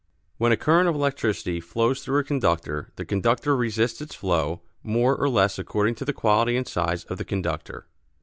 When a current of electricity flows through a conductor the conductor resists its flow more or less according to the quality and size of the conductor.